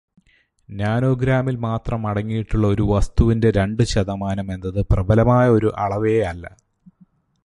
നാനോഗ്രാമിൽ മാത്രം അടങ്ങിയിട്ടുള്ള ഒരു വസ്തുവിന്റെ രണ്ടു ശതമാനം എന്നത് പ്രബലമായ ഒരു അളവേയല്ല.